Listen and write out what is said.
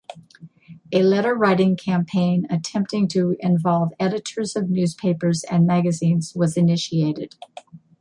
A letter-writing campaign attempting to involve editors of newspapers and magazines was initiated.